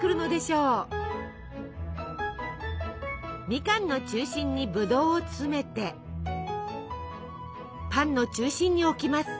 みかんの中心にブドウを詰めてパンの中心に置きます。